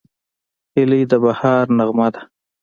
هیلۍ د بهار نغمه ده